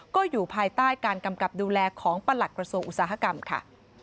ก็อยู่ภายใต้การกำกับดูแลของประหลัดกระทรวงอุตสาหกรรมค่ะ